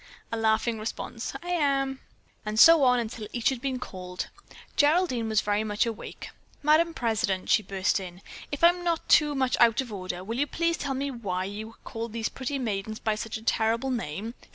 A laughing response: "I am!" And so on until each had been called. Geraldine was very much awake. "Madame President," she burst in, "if I'm not too much out of order, will you please tell me why you call these pretty maidens by such a terrible name?